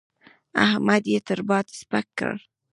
احمد يې تر باد سپک کړ.